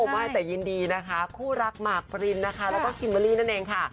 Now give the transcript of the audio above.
ไม่แต่ยินดีนะคะคู่รักหมากปรินนะคะแล้วก็คิมเบอร์รี่นั่นเองค่ะ